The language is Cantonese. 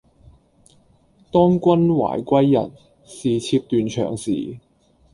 當君懷歸日，是妾斷腸時